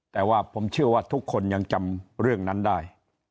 แต่ว่าผมเชื่อว่าทุกคนยังจำเรื่องนั้นได้